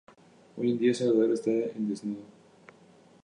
Hoy en día en El Salvador está en desuso.